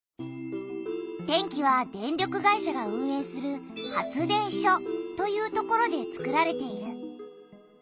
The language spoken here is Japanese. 電気は電力会社が運営する発電所という所でつくられている。